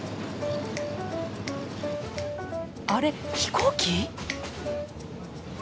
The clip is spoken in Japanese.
あれ飛行機？